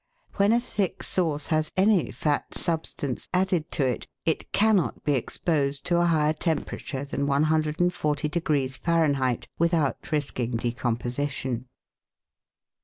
When a thick sauce has any fat substance added to it, it cannot be exposed to a higher temperature than 140 degrees Fahrenheit without risking decomposition.